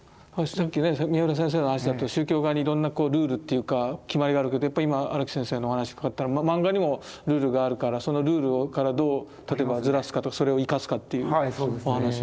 さっきね三浦先生の話だと宗教画にいろんなルールっていうか決まりがあるけどやっぱり今荒木先生のお話伺ったらマンガにもルールがあるからそのルールからどう例えばずらすかそれを生かすかというお話。